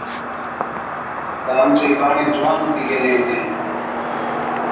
تہ اَمچين ٻاڙين جوان ھُتِي گيلين ھِتين